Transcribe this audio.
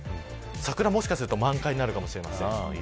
桜、もしかすると満開になるかもしれません。